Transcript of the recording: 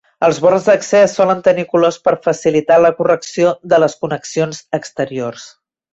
Els borns d'accés solen tenir colors per facilitar la correcció de les connexions exteriors.